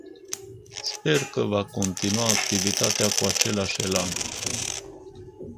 Sper că va continua activitatea cu același elan.